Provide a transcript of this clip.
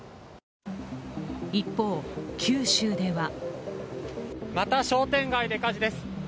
一方、九州ではまた商店街で火事です。